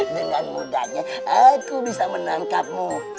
dengan mudahnya aku bisa menangkapmu